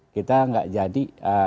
kita gak jadi